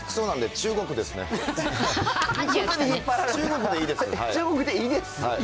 中国でいいです。